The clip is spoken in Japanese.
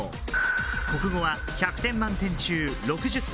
国語は１００点満点中６０点。